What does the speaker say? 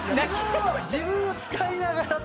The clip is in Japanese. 自分を使いながら。